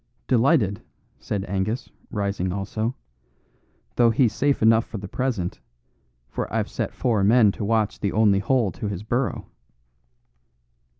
"Delighted," said Angus, rising also, "though he's safe enough for the present, for I've set four men to watch the only hole to his burrow."